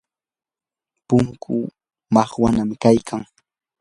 punkuu makwanam kaykan.